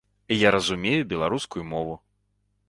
Я разумею беларускую мову!